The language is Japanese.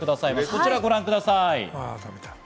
こちらをご覧ください。